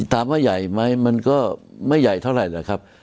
ถามว่าใหญ่ไหมมันก็ไม่ใหญ่เท่าไหร่นะครับ